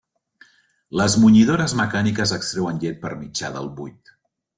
Les munyidores mecàniques extreuen llet per mitjà del buit.